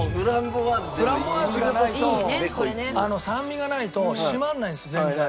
フランボワーズがないと酸味がないと締まんないんです全然。